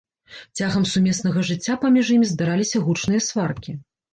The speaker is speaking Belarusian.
Цягам сумеснага жыцця паміж імі здараліся гучныя сваркі.